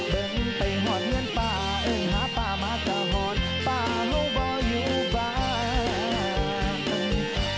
เดินไปหอดเหมือนป่าเอิ่งหาป่ามากกะหอดป่าโลบออยู่บ้าง